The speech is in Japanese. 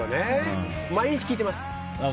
毎日聴いてます。